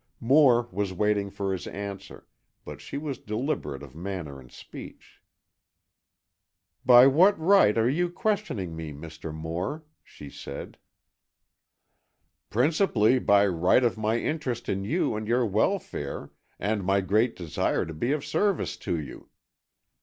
Moore was waiting for his answer, but she was deliberate of manner and speech. "By what right are you questioning me, Mr. Moore?" she said. "Principally by right of my interest in you and your welfare and my great desire to be of service to you."